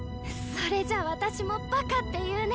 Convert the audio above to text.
それじゃ私もバカって言うね。